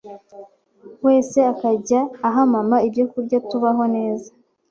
wese akajya aha mama ibyo kurya tubaho neza